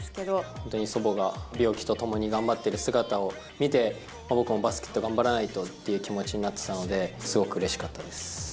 本当に祖母が病気とともに頑張ってる姿を見て、僕もバスケット頑張らないとっていう気持ちになってたので、すごくうれしかったです。